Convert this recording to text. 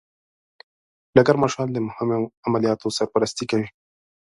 ډګر مارشال د مهمو عملیاتو سرپرستي کوي.